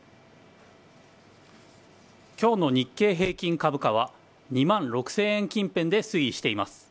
今日の日経平均株価は２万６０００円近辺で推移しています。